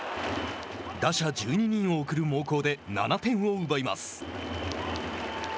打者１２人を送る猛攻で７点を奪います。